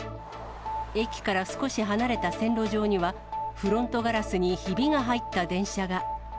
駅から少し離れた線路上には、フロントガラスにひびが入った電車が。